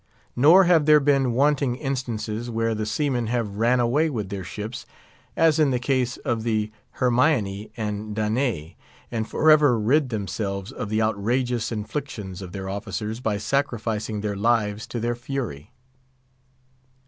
Nor have there been wanting instances where the seamen have ran away with their ships, as in the case of the Hermione and Danae, and forever rid themselves of the outrageous inflictions of their officers by sacrificing their lives to their fury.